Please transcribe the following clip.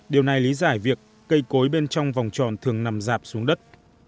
điều này lý giải việc cây cối bên trong vòng tròn thường nằm dạp xuống đất